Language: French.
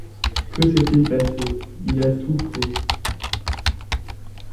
Que s’est-il passé ? Il a tout faux